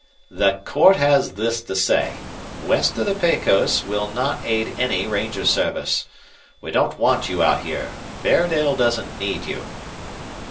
"The court has this to say. West of the Pecos we'll not aid any ranger service. We don't want you out here. Fairdale doesn't need you."